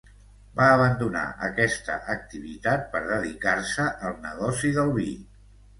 Va abandonar aquesta activitat per dedicar-se al negoci del vi.